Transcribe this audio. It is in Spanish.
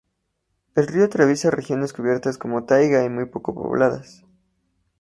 El río atraviesa regiones cubiertas de taiga y muy poco pobladas.